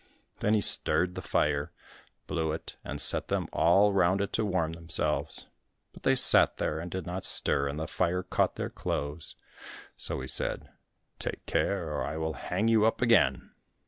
Then he stirred the fire, blew it, and set them all round it to warm themselves. But they sat there and did not stir, and the fire caught their clothes. So he said, "Take care, or I will hang you up again."